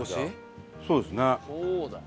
そうですね。